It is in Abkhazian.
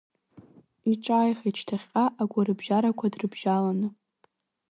Иҿааихеит шьҭахьҟа, агәарабжьарақәа дрыбжьаланы.